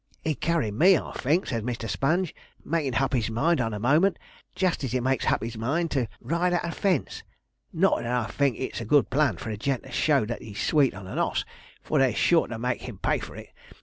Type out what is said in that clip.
"He'd carry me, I think," said Mr. Sponge, making hup his mind on the moment, jist as he makes hup his mind to ride at a fence not that I think it's a good plan for a gent to show that he's sweet on an oss, for they're sure to make him pay for it.